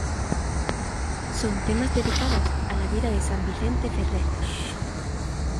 Son temas dedicados a la vida de San Vicente Ferrer.